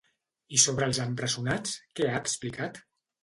I sobre els empresonats què ha explicat?